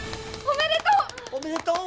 おめでとう！